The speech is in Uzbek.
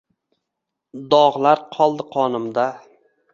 Dog’lar qoldi qonimdan.